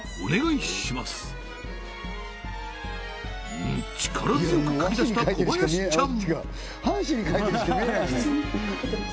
うん力強く書き出した小林ちゃん